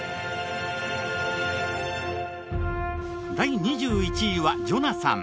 第２１位はジョナサン。